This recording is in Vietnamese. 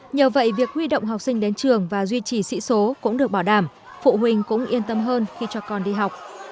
nhờ vậy việc huy động học sinh đến trường và duy trì sĩ số cũng được bảo đảm phụ huynh cũng yên tâm hơn khi cho con đi học